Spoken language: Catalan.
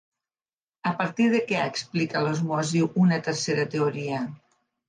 A partir de què explica l'osmosi una tercera teoria?